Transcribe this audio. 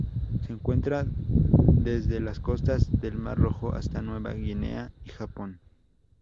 Se encuentra desde las costas del Mar Rojo hasta Nueva Guinea y Japón.